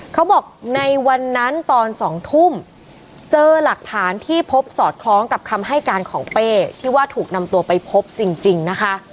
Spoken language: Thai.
เขาบอกในวันนั้นตอน๒ทุ่มเจอหลักฐานที่พบสอดคล้องกับคำให้การของเป้ที่ว่าถูกนำตัวไปพบจริงนะคะ